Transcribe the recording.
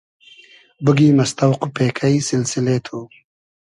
بوگیم از تۆق و پېکݷ سیلسیلې تو